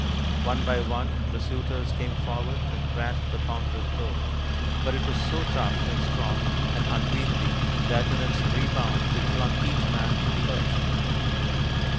One by one the suitors came forward and grasped the ponderous bow ; but it was so tough and strong and unwieldy that in its rebound it flung each man to the earth.